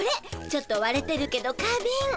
ちょっとわれてるけど花びん。